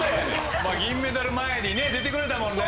銀メダル前に出てくれたもんね。